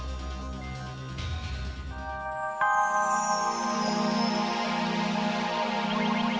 aku tak bisa